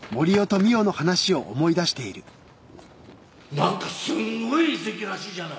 何かすごい遺跡らしいじゃない